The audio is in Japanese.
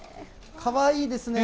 かわいいですね。